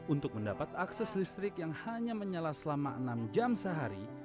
untuk mendapat akses listrik yang hanya menyala selama enam jam sehari